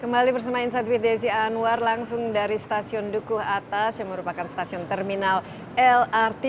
kembali bersama insight with desi anwar langsung dari stasiun dukuh atas yang merupakan stasiun terminal lrt